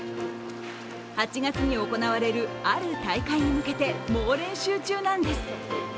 ８月に行われるある大会に向けて、猛練習中なんです。